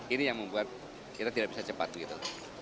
ini yang membuat kita tidak bisa cepat gitu